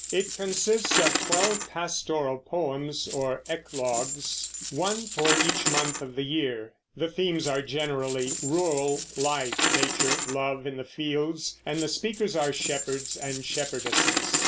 It consists of twelve pastoral poems, or eclogues, one for each month of the year. The themes are generally rural life, nature, love in the fields; and the speakers are shepherds and shepherdesses.